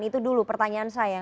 itu dulu pertanyaan saya